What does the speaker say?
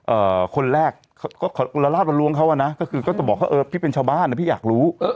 เอ่อคนแรกเขาก็ละลาดละล้วงเขาอ่ะนะก็คือก็จะบอกว่าเออพี่เป็นชาวบ้านนะพี่อยากรู้เออ